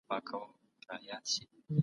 ارقام ښيي چي پيوستون د ژغورنې وسيله ده.